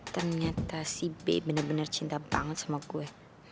ternyata si b bener bener cinta banget sama gue